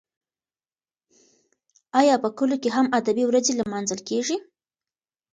ایا په کلو کې هم ادبي ورځې لمانځل کیږي؟